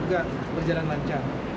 juga berjalan lancar